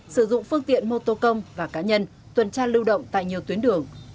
sử dụng phương tiện mô tô công và cá nhân tuần tra lưu động tại nhiều tuyến đường